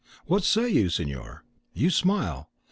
What say you, signor? You smile!